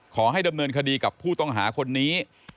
ขอให้ดำเนินคดีกับผู้ต้องหาคนนี้